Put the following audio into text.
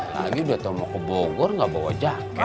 lagi udah mau ke bogor enggak bawa jaket